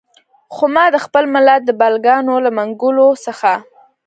خو ما د خپل ملت د بلاګانو له منګولو څخه.